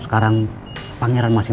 mungkin ada sedikit transmission